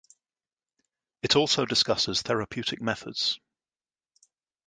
It also discusses therapeutic methods.